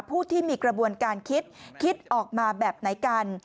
ผู้ที่มีกระบวนการคิดคิดออกมาแบบไหนกัน